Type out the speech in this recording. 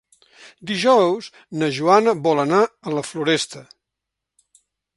Dijous na Joana vol anar a la Floresta.